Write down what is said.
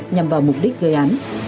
nhằm vào mục đích gây án